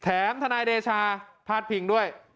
ทนายเดชาพาดพิงด้วย